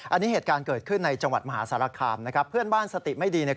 อันนี้เหตุการณ์เกิดขึ้นในจังหวัดมหาสารคามนะครับเพื่อนบ้านสติไม่ดีเนี่ย